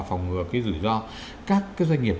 phòng ngừa cái rủi ro các cái doanh nghiệp